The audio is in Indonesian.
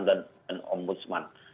dan om boseman